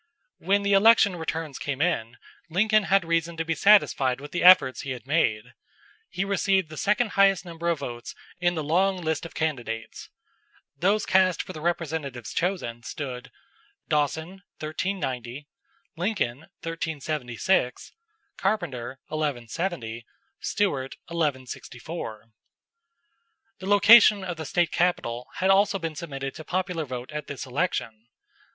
When the election returns came in Lincoln had reason to be satisfied with the efforts he had made. He received the second highest number of votes in the long list of candidates. Those cast for the representatives chosen stood: Dawson, 1390; Lincoln, 1376; Carpenter 1170; Stuart, 1164. The location of the State capital had also been submitted to popular vote at this election.